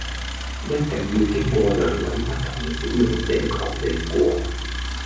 一定要經過兩位不同使用者確認過